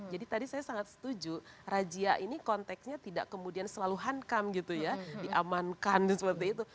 tadi saya sangat setuju rajia ini konteksnya tidak kemudian selalu hankam gitu ya diamankan seperti itu